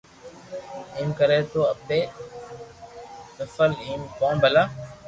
ايم ڪري تو ايتي نقل ايم ڪون ڀلا